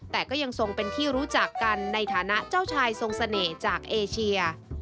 แต่ก็ยังทรงเป็นที่รู้จักกันในฐานะเจ้าชายทรงเสน่ห์จากเอเชีย